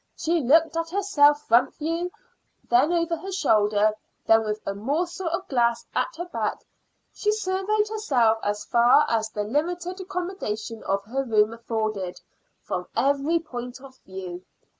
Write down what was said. She looked at herself front view, then over her shoulder, then, with a morsel of glass, at her back; she surveyed herself, as far as the limited accommodation of her room afforded, from every point of view.